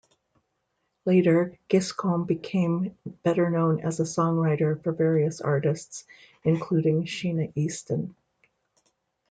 Later Giscombe became better known as a songwriter for various artists, including Sheena Easton.